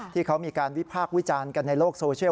ที่เขามีการวิพากษ์วิจารณ์กันในโลกโซเชียล